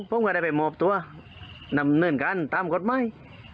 ผมก็ได้ไปหมอบตัวนำเนื่องกันตามกฎไม้